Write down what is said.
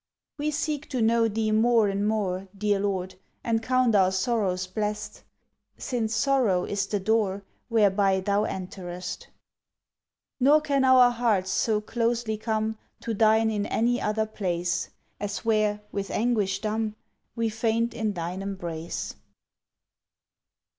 We seek to know Thee more and more, Dear Lord, and count our sorrows blest, Since sorrow is the door Whereby Thou enterest. Nor can our hearts so closely come To Thine in any other place, As where, with anguish dumb, We faint in Thine embrace.